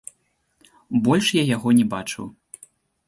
Больш я яго не бачыў.